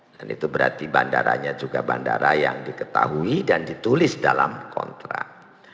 dan itu berarti bandaranya juga bandara yang diketahui dan ditulis dalam kontrak